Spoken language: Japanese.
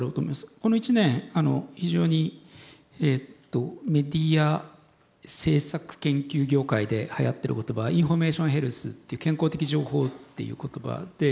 この一年非常にメディア制作研究業界ではやってる言葉はインフォメーションヘルスっていう健康的情報っていう言葉で。